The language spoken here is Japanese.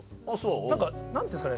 何か何ていうんですかね